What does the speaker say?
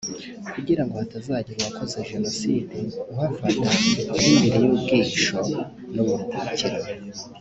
kugira ngo hatazagira uwakoze Jenoside uhafata nk’indiri y’ubwihisho n’uburuhukiro